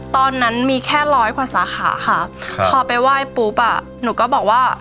ตอนนั้นมีแค่ร้อยกว่าสาขาค่ะครับพอไปไหว้ปุ๊บอ่ะหนูก็บอกว่า